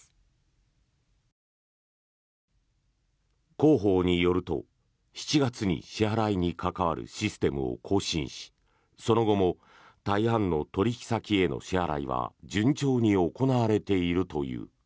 広報によると、７月に支払いに関わるシステムを更新しその後も大半の取引先への支払いは順調に行われているという。